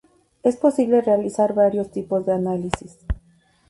Es posible realizar varios tipos de análisis.